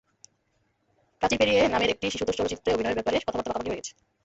প্রাচীর পেরিয়ে নামের একটি শিশুতোষ চলচ্চিত্রে অভিনয়ের ব্যাপারে কথাবার্তা পাকাপাকি হয়ে গেছে।